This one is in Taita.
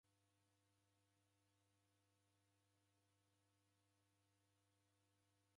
Kwaki w'andu w'irashaneghe kwa malagho gha kisha?